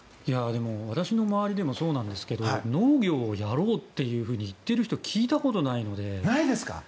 でも私の周りでもそうなんですが農業をやろうというふうに言っている人聞いたことないので。